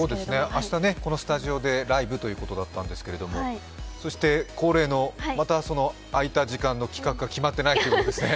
明日このスタジオでライブということだったんですけどもそして恒例の、また空いた時間の企画が決まっていないんですね。